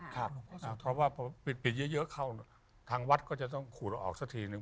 เพราะว่าพอปิดเยอะเข้าทางวัดก็จะต้องขูดออกสักทีนึง